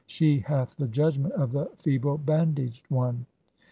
"She hath the judgment of the feeble bandaged one."